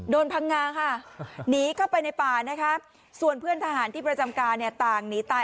พังงาค่ะหนีเข้าไปในป่านะคะส่วนเพื่อนทหารที่ประจำการเนี่ยต่างหนีตาย